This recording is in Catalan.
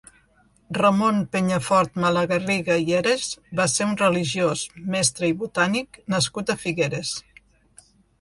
Ramón Penyafort Malagarriga i Heras va ser un religiós, mestre i botànic nascut a Figueres.